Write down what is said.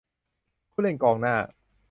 ผู้เล่นกองหน้า